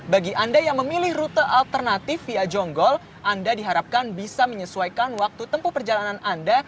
bagi anda yang memilih rute alternatif via jonggol anda diharapkan bisa menyesuaikan waktu tempuh perjalanan anda